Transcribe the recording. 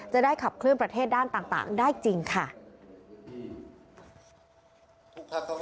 จะได้ขับเคลื่อนประเทศด้านต่างได้จริงค่ะ